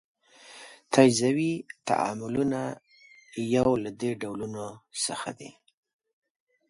تجزیوي تعاملونه یو له دې ډولونو څخه دي.